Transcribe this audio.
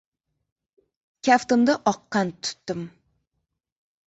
Kaftimda oq qand tutdim.